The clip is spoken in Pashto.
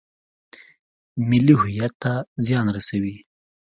ملي هویت ته زیان رسوي.